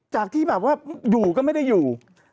จากที่อยู่ก็ไม่ได้อยู่